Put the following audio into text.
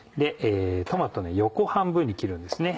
トマト横半分に切るんですね